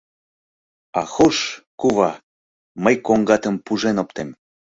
— А хош, кува, мый коҥгатым пужен оптем.